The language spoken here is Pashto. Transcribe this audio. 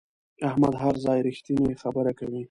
احمد هر ځای رښتینې خبره کوي.